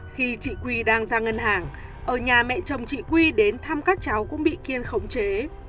khi chị quy đang ra ngân hàng ở nhà mẹ chồng chị quy đến thăm các cháu cũng bị kiên khống chế